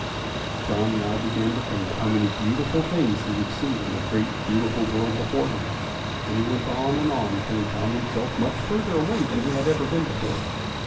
John now began to think how many beautiful things he would see in the great beautiful world before him, and he went on and on till he found himself much further away than he had ever been before.